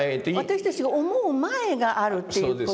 私たちが思う前があるという事をね。